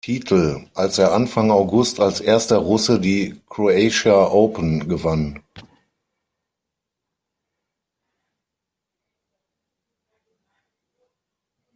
Titel, als er Anfang August als erster Russe die Croatia Open gewann.